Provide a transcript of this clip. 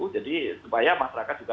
jadi supaya masyarakat juga